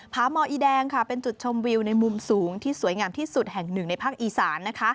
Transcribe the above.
าหมออีแดงเป็นจุดชมวิวในมุมสูงที่สวยงามที่สุดแห่งหนึ่งในภาคอีสาน